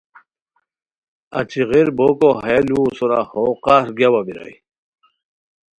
اچی غیر بوکو ہیہ لوؤ سورا بو قہر گیاوا بیرائے